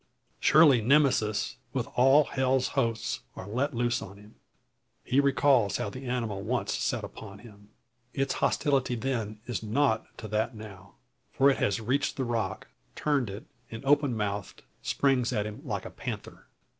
Surely Nemesis, with all hell's hosts, are let loose on him! He recalls how the animal once set upon him. Its hostility then is nought to that now. For it has reached the rock, turned it, and open mouthed, springs at him like a panther.